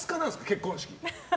結婚式。